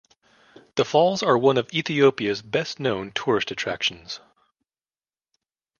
The falls are one of Ethiopia's best known tourist attractions.